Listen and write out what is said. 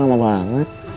kan lama banget